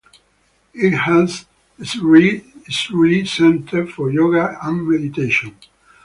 It has Sri Sri Center for Yoga and Meditation.